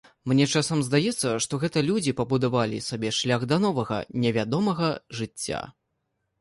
Мне часам здаецца, што гэта людзі пабудавалі сабе шлях да новага, невядомага жыцця.